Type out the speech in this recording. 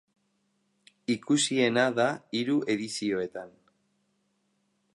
Ikusiena da hiru edizioetan.